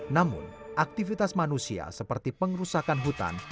namun aktivitas manusia seperti pengerusakan hutan